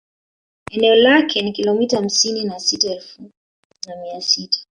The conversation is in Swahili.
Eneo lake ni kilomita hamsini na sita elfu na mia sita